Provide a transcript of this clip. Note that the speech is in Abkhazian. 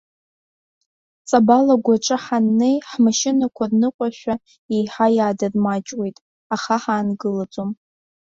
Ҵабал агәаҿы ҳаннеи ҳмашьынақәа рныҟәашәа еиҳа иаадырмаҷуеит, аха ҳаангылаӡом.